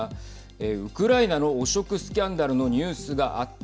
ウクライナの汚職スキャンダルのニュースがあった。